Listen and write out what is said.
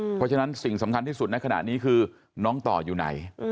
เพราะฉะนั้นสิ่งสำคัญที่สุดในขณะนี้คือน้องต่ออยู่ไหน